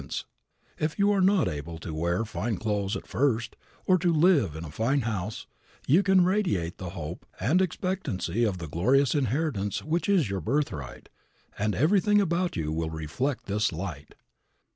Even if you are not able to wear fine clothes at first, or to live in a fine house, you can radiate the hope and expectancy of the glorious inheritance which is your birthright, and everything about you will reflect this light.